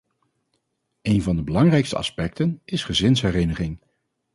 Een van de belangrijkste aspecten is gezinshereniging.